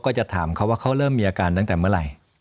ก็จะถามเขาว่าเขาเริ่มมีอาการตั้งแต่เมื่อไหร่